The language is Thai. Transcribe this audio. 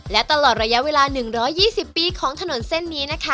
และตลอดระยะเวลา๑๒๐ปีของถนนเส้นนี้นะคะ